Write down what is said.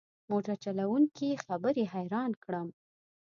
موټر چلوونکي خبرې حیران کړم.